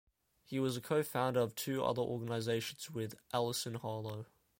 He was a co-founder of two other organizations with Alison Harlow.